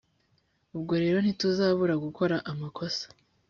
ubwo rero ntituzabura gukora amakosa